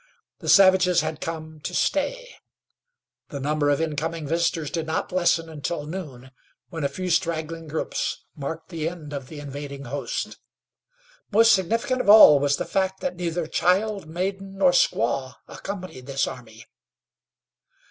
The savages had come to stay! The number of incoming visitors did not lessen until noon, when a few straggling groups marked the end of the invading host. Most significant of all was the fact that neither child, maiden, nor squaw accompanied this army.